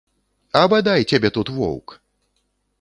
А бадай цябе тут воўк!